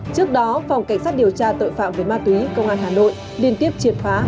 trước đó phòng cảnh sát điều tra tội phạm về ma túy công an hà nội liên tiếp triệt phá